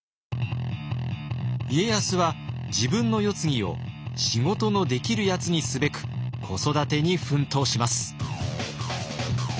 家康は自分の世継ぎを仕事のできるやつにすべく子育てに奮闘します。